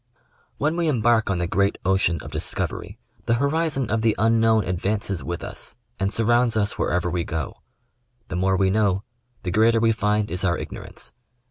When we embark on the great ocean of discovery, the horizon of the unknown advances with us and surrounds us wherever we go. The more we know, the greater we find is our ignorance.